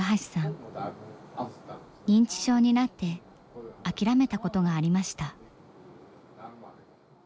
認知症になって諦めたことがありました。